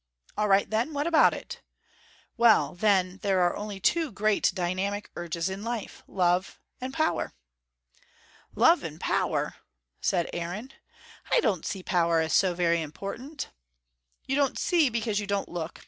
"All right then what about it?" "Well, then, there are only two great dynamic urges in LIFE: love and power." "Love and power?" said Aaron. "I don't see power as so very important." "You don't see because you don't look.